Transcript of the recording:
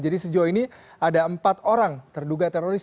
sejauh ini ada empat orang terduga teroris